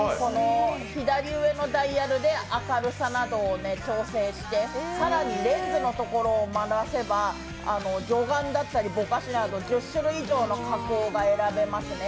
左上のダイヤルで明るさなどを調整して、更にレンズのところを回せば魚眼だったり、ぼかしや、１０種類以上の加工が選べますね。